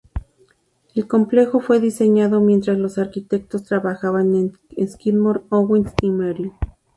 El complejo fue diseñado, mientras los arquitectos trabajaban en Skidmore, Owings y Merrill.